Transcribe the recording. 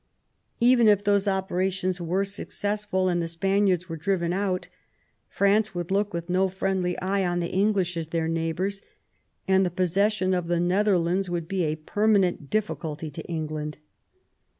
Even if those opera tions were successful, and the Spaniards were driven out, France would look with no friendly eye on the English as their neighbours, and the possession of the Netherlands would be a permanent difficulty to England.